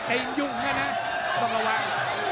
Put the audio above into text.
ตีนยุ่งนะนะต้องระวัง